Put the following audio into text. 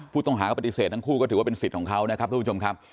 ผู้ต้องหาก็ปฏิเสธทั้งคู่ก็ถือว่าเป็นสิทธิ์ของเขานะครับทุกผู้ชมครับ